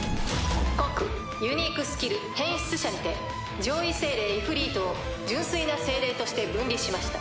告ユニークスキル変質者にて上位精霊イフリートを純粋な精霊として分離しました。